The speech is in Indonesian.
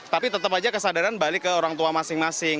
tapi tetap aja kesadaran balik ke orang tua masing masing